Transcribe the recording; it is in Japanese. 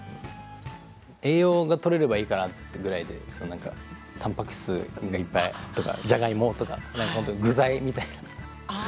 栄養がとれればいいかなというくらいで、たんぱく質がいっぱいとかじゃがいもとか具材みたいな。